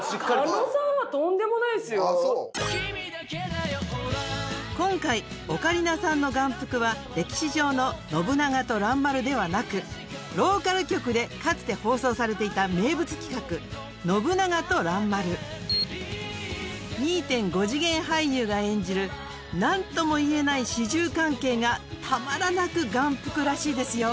君だけだよおらん今回オカリナさんの眼福は歴史上の信長と蘭丸ではなくローカル局でかつて放送されていた名物企画信長と蘭丸 ２．５ 次元俳優が演じる何ともいえない主従関係がたまらなく眼福らしいですよ